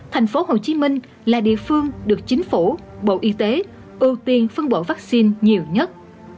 tp hcm là địa phương được chính phủ bộ y tế ưu tiên phân bộ vaccine nhiều nhất